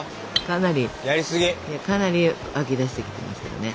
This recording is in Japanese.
かなり湧き出してきてますけどね。